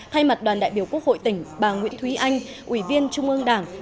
thay mặt đoàn đại biểu quốc hội tỉnh bà nguyễn thúy anh ủy viên trung ương đảng